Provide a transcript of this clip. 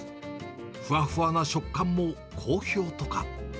ふわふわな食感も好評とか。